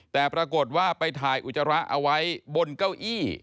แต่ปรากฏว่าไปถ่ายอุจจาระเอาไว้บนเก้าอี้